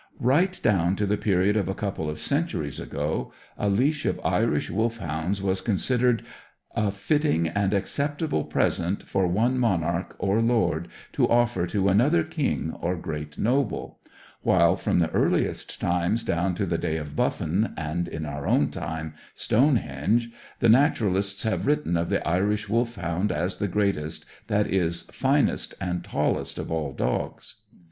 Right down to the period of a couple of centuries ago, a leash of Irish Wolfhounds was considered a fitting and acceptable present for one monarch, or lord, to offer to another king or great noble; while from the earliest times, down to the day of Buffon, and, in our own time, "Stonehenge," the naturalists have written of the Irish Wolfhound as the greatest, that is finest, and "tallest of all dogs."